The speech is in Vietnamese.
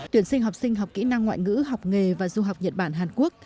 tuyển sinh học sinh học kỹ năng ngoại ngữ học nghề và du học nhật bản hàn quốc